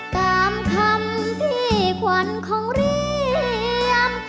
สามคำพีควันของเรียม